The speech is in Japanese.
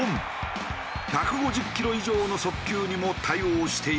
１５０キロ以上の速球にも対応しているのだ。